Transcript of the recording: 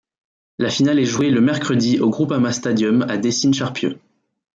La finale est jouée le mercredi au Groupama Stadium à Décines-Charpieu.